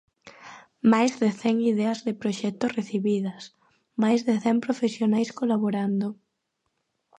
Máis de cen ideas de proxectos recibidas, máis de cen profesionais colaborando.